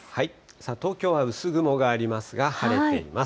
さあ、東京は薄雲がありますが晴れています。